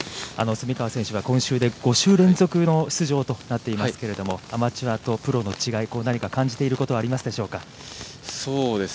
◆蝉川選手は今週で５週連続の出場となっていますけれども、アマチュアとプロの違い、何か感じていることはありますでしょうか。